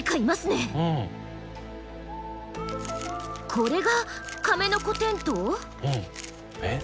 これがカメノコテントウ？えっ？